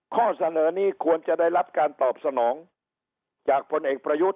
ข้อเสนอนี้ควรจะได้รับการตอบสนองจากพลเอกประยุทธ์